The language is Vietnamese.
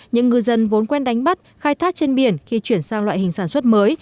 những ngư dân vốn quen đánh bắt khai thác trên biển khi chuyển sang loại hình sản xuất mới